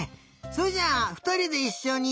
それじゃあふたりでいっしょに。